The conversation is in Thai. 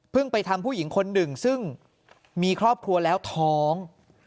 ไปทำผู้หญิงคนหนึ่งซึ่งมีครอบครัวแล้วท้อง